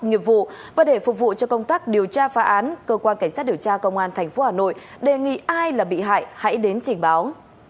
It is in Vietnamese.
nghiệp vụ và để phục vụ cho công tác điều tra phá án cơ quan cảnh sát điều tra công an tp hà nội đề nghị ai là bị hại hãy đến trình báo